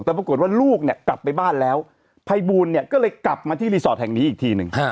แต่ปรากฏว่าลูกเนี่ยกลับไปบ้านแล้วภัยบูลเนี่ยก็เลยกลับมาที่รีสอร์ทแห่งนี้อีกทีหนึ่ง